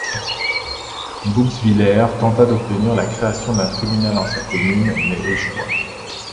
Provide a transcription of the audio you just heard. Bouxwiller tenta d’obtenir la création d’un tribunal en sa commune mais échoua.